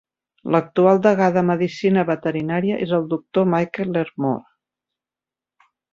L'actual degà de Medicina Veterinària és el doctor Michael Lairmore.